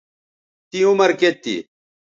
تیں عمر کیئت تھی